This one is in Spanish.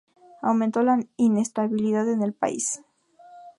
Aumentó la inestabilidad en el país.